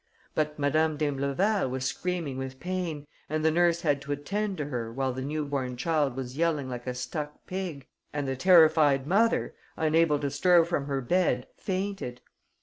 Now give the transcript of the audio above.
But Madame d'Imbleval was screaming with pain; and the nurse had to attend to her while the newborn child was yelling like a stuck pig and the terrified mother, unable to stir from her bed, fainted....